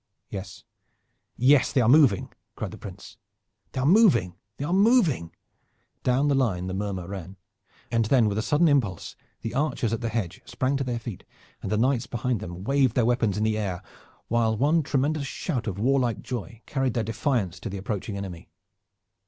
"Yes, yes, they are moving!" cried the Prince. "They are moving! They are moving!" Down the line the murmur ran. And then with a sudden impulse the archers at the hedge sprang to their feet and the knights behind them waved their weapons in the air, while one tremendous shout of warlike joy carried their defiance to the approaching enemy.